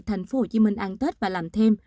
thành phố hồ chí minh ăn tết và làm thêm